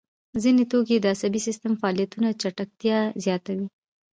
ځیني توکي د عصبي سیستم فعالیتونه چټکتیا زیاتوي.